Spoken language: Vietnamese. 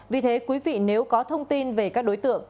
vì thế quý vị nếu có thông tin về các đối tượng